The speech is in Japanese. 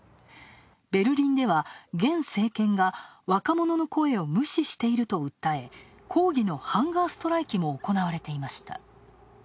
ベルリンでは現政権が若者の声を無視していると訴え抗議のハンガーストライキも行われていました。